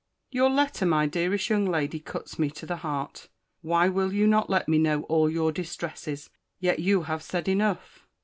Your letter, my dearest young lady, cuts me to the heart! Why will you not let me know all your distresses?—Yet you have said enough!